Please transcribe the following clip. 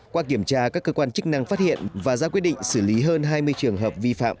qua kiểm tra các cơ quan chức năng phát hiện và ra quyết định xử lý hơn hai mươi trường hợp vi phạm